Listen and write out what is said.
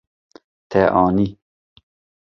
Te anî.